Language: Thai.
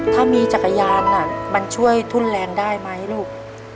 ถ้ามีจักรยานมันช่วยทุนแรงได้ไหมลูก